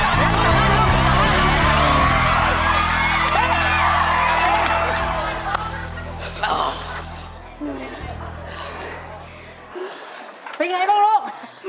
เป็นไงบ้างลูก